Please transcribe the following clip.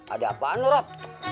ada apaan lu rot